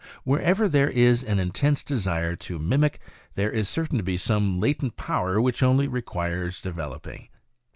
Wherever there is an in tense desire to mimic there is certain to be some latent power which only requires developing.